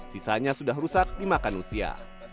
sisanya sudah rusak dimakan usia